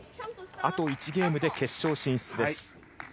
あと１ゲームで決勝進出です。